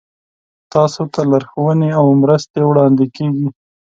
تاسو ته لارښوونې او مرستې وړاندې کیږي.